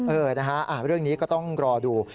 เออนะฮะเรื่องนี้ก็ต้องรอดู